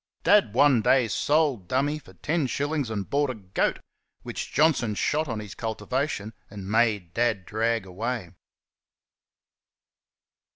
Dad one day sold "Dummy" for ten shillings and bought a goat, which Johnson shot on his cultivation and made Dad drag away.